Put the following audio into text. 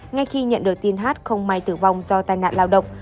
ngay khi nhận được tin hát không may tử vong do tai nạn lao động